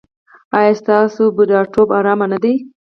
ایا ستاسو بوډاتوب ارام نه دی؟